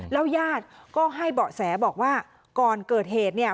แล้วญาติก็ให้เบาะแสบอกว่าก่อนเกิดเหตุเนี่ย